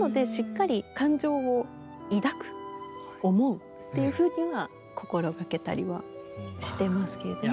なのでっていうふうには心がけたりはしてますけれども。